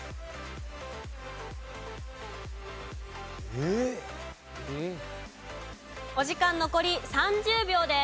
えーっ？お時間残り３０秒です。